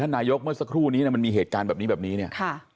ถ้านายกเมื่อสักครู่มีเหตุการณ์แบบนี้เนี่ย